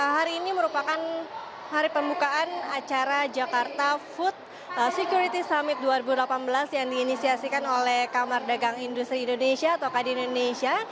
hari ini merupakan hari pembukaan acara jakarta food security summit dua ribu delapan belas yang diinisiasikan oleh kamar dagang industri indonesia atau kd indonesia